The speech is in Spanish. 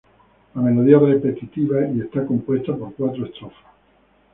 La melodía es repetitiva y esta compuesta por cuatros estrofas.